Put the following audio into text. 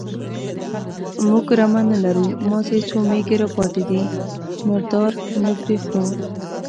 _موږ رمه نه لرو، مازې څو مېږې راپاتې دي، مردار نه پرې خورو.